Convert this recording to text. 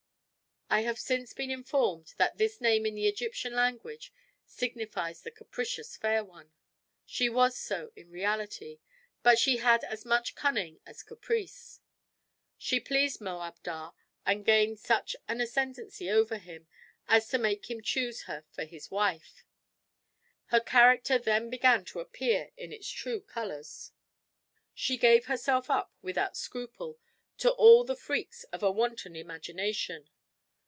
I have since been informed that this name in the Egyptian language signifies the capricious fair one. She was so in reality; but she had as much cunning as caprice. She pleased Moabdar and gained such an ascendancy over him as to make him choose her for his wife. Her character then began to appear in its true colors. She gave herself up, without scruple, to all the freaks of a wanton imagination.